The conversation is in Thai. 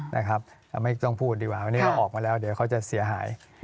เราไม่ต้องพูดดีกว่าวันนี้เราออกมาแล้วเดี๋ยวเขาจะเสียหาย